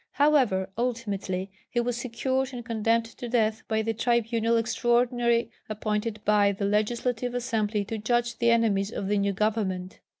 However, ultimately he was secured and condemned to death by the tribunal extraordinary appointed by the Legislative Assembly to judge the enemies of the new government.